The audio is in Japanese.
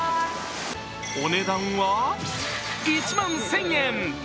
お値段は１万１０００円。